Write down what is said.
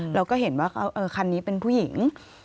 เราก็เห็นว่าคันนี้เป็นผู้หญิง